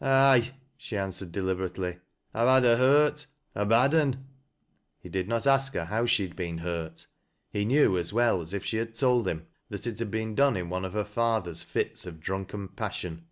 "Aye," she answered deliberately, " I've had a hurt — a bad un." He did not ask her how she had been hurt. He knew as well as if she had told him, that it had been done in one of her father's fits of drunken passion.